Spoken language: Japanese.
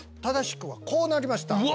正しくはこうなりました